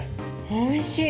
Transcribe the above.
おいしい。